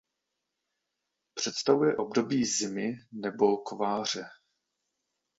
Představuje období zimy nebo kováře.